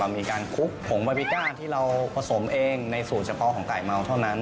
มีการคลุกผงบาบิก้าที่เราผสมเองในสูตรเฉพาะของไก่เมาเท่านั้น